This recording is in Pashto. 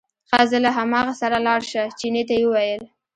ښه ځه له هماغه سره لاړ شه، چیني ته یې وویل.